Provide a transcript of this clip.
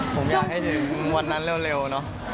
ผมอยากให้ถึงวันนั้นเร็วเนอะ